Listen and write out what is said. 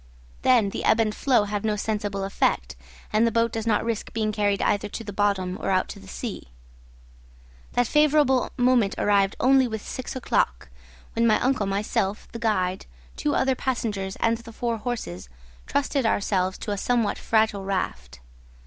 Then the ebb and flow have no sensible effect, and the boat does not risk being carried either to the bottom or out to sea. That favourable moment arrived only with six o'clock; when my uncle, myself, the guide, two other passengers and the four horses, trusted ourselves to a somewhat fragile raft.